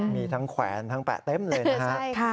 มีทั้งแขวนทั้งแปะเต็มเลยนะฮะ